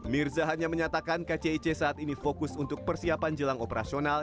mirza hanya menyatakan kcic saat ini fokus untuk persiapan jelang operasional